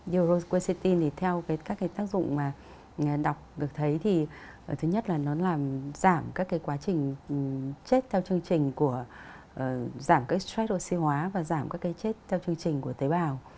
yorosqua city thì theo các cái tác dụng mà đọc được thấy thì thứ nhất là nó làm giảm các cái quá trình chết theo chương trình của giảm cái stressroc hóa và giảm các cái chết theo chương trình của tế bào